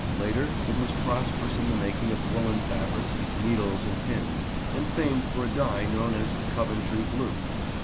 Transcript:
Later it was prosperous in the making of woollen fabrics, needles and pins, and famed for a dye known as "Coventry Blue."